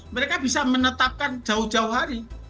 mereka bisa menetapkan jauh jauh hari